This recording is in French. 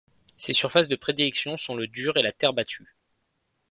Ses surfaces de prédilection sont le dur et la terre battue.